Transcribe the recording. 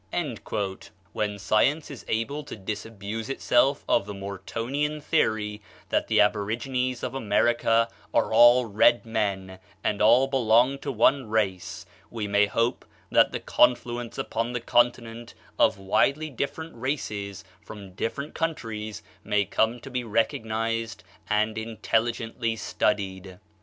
When science is able to disabuse itself of the Mortonian theory that the aborigines of America are all red men, and all belong to one race, we may hope that the confluence upon the continent of widely different races from different countries may come to be recognized and intelligently studied.